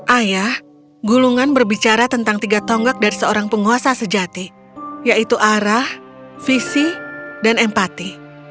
ayah gulungan berbicara tentang tiga tonggak dari seorang penguasa sejati yaitu arah visi dan empati